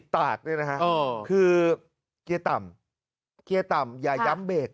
ตากเนี่ยนะฮะคือเกียร์ต่ำเกียร์ต่ำอย่าย้ำเบรก